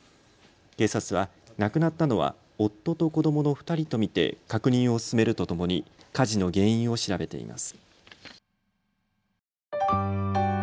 警察は亡くなったのは夫と子どもの２人と見て確認を進めるとともに火事の原因を調べています。